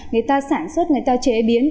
người ta sản xuất người ta chế biến